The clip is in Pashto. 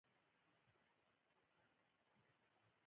هوا د افغانستان د تکنالوژۍ پرمختګ سره تړاو لري.